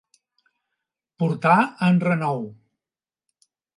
Portar en renou.